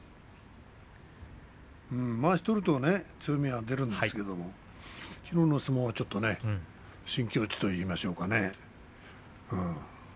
まわし取ると強みが出るんですけどきのうの相撲はちょっと新境地といいましょうか。